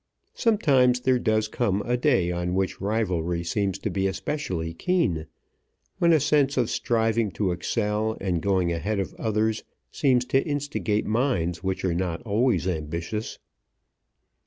Sometimes there does come a day on which rivalry seems to be especially keen, when a sense of striving to excel and going ahead of others seems to instigate minds which are not always ambitious.